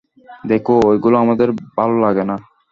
দেখো, ঐগুলো আমার ভালো লাগে না।